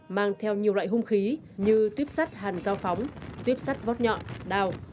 mang theo nhiều loại hung khí như tuyếp sắt hàn dao phóng tuyếp sắt vót nhọn đào